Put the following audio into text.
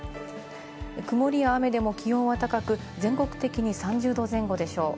曇りや雨でも気温は高く、全国的に３０度前後でしょう。